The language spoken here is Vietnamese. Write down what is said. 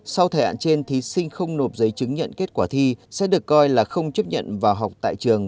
sau thời hạn trên thí sinh không nộp giấy chứng nhận kết quả thi sẽ được coi là không chấp nhận vào học tại trường